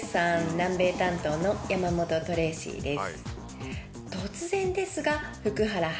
南米担当のヤマモトトレイシィです。